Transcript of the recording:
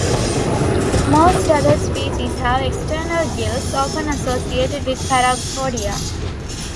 Most other species have external gills, often associated with the parapodia.